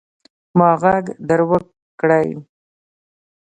ما ږغ در وکړئ.